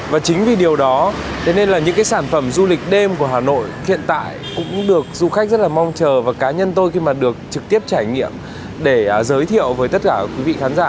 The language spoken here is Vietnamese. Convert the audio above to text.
và chính vì điều đó thế nên là những cái sản phẩm du lịch đêm của hà nội hiện tại cũng được du khách rất là mong chờ và cá nhân tôi khi mà được trực tiếp trải nghiệm để giới thiệu với tất cả quý vị khán giả